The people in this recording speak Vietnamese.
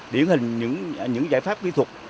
điển hình những giải pháp kỹ thuật